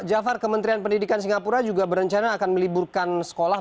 jafar kementerian pendidikan singapura juga berencana akan meliburkan sekolah